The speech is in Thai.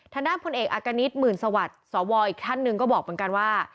ทางด้านพลเอกอากณิตหมื่นสวัสดิ์สวอีกท่านหนึ่งก็บอกเหมือนกันว่า